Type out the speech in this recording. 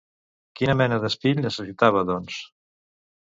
Quina mena d'espill necessitava, doncs?